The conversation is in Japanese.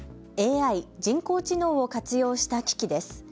ＡＩ・人工知能を活用した機器です。